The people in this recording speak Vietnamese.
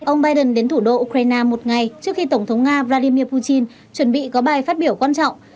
ông biden đến thủ đô ukraine một ngày trước khi tổng thống nga vladimir putin chuẩn bị có bài phát biểu quan trọng